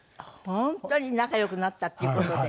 本当に仲良くなったっていう事で。